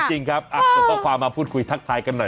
จริงครับส่งข้อความมาพูดคุยทักทายกันหน่อย